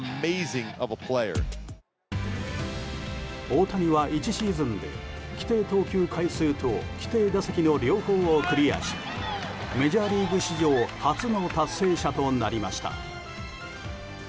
大谷は１シーズンで規定投球回数と規定打席の両方をクリアしメジャーリーグ史上初の達成者となりました。